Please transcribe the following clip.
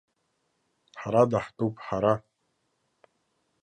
Ҳара даҳтәуп, ҳара!